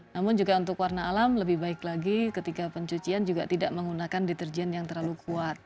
namun juga untuk warna alam lebih baik lagi ketika pencucian juga tidak menggunakan deterjen yang terlalu kuat